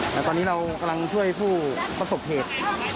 แต่ตอนนี้เรากำลังช่วยผู้ประสบเหตุ